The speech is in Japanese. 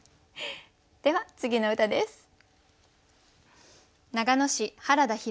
では次の歌です。